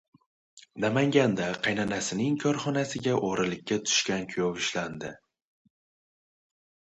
Namanganda qaynanasining korxonasiga o‘g‘irlikka tushgan kuyov ushlandi